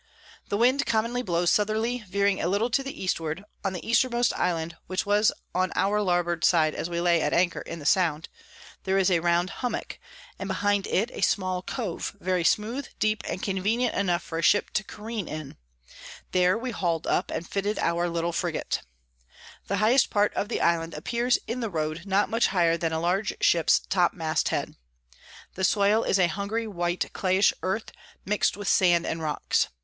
The Wind commonly blows Southerly, veering a little to the Eastward: on the Eastermost Island (which was on our Larboard side as we lay at anchor in the Sound) there is a round Hummock, and behind it a small Cove very smooth, deep, and convenient enough for a Ship to careen in; there we haul'd up, and fitted our little Frigat. The highest part of the Island appears in the Road not much higher than a large Ship's Top Mast head. The Soil is a hungry white clayish Earth, mix'd with Sand and Rocks.